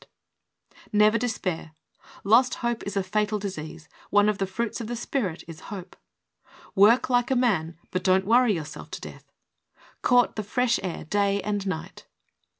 "Never despair. Lost hope is a fatal disease. One of the fruits of the Spirit is hope." Work like a man, but don't worry your self to death. Court the fresh air day and night.